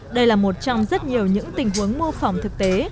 đây là một trong rất nhiều những tình huống mô phỏng thực tế